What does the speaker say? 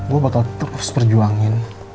gue bakal terus perjuangin